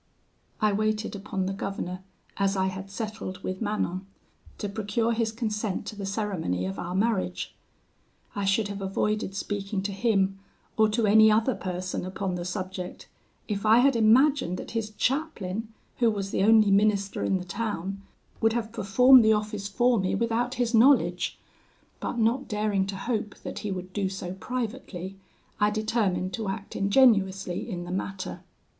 "I waited upon the governor, as I had settled with Manon, to procure his consent to the ceremony of our marriage. I should have avoided speaking to him or to any other person upon the subject, if I had imagined that his chaplain, who was the only minister in the town, would have performed the office for me without his knowledge; but not daring to hope that he would do so privately, I determined to act ingenuously in the matter.